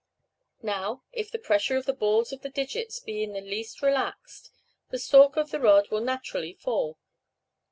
Now, if the pressure of the balls of the digits be in the least relaxed, the stalk of the rod will naturally fall.